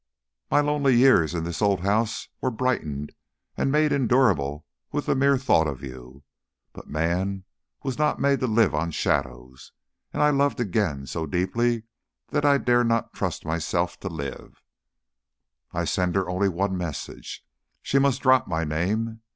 My lonely years in this old house were brightened and made endurable with the mere thought of you. But man was not made to live on shadows, and I loved again, so deeply that I dare not trust myself to live. I send her only one message she must drop my name.